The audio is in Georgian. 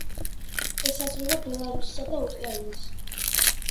ესაზღვრება ბელარუსსა და უკრაინას.